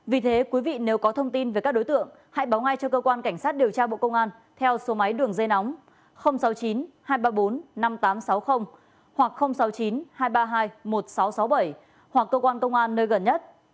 vì thế quý vị nếu có thông tin về các đối tượng hãy báo ngay cho cơ quan cảnh sát điều tra bộ công an theo số máy đường dây nóng sáu mươi chín hai trăm ba mươi bốn năm nghìn tám trăm sáu mươi hoặc sáu mươi chín hai trăm ba mươi hai một nghìn sáu trăm sáu mươi bảy hoặc cơ quan công an nơi gần nhất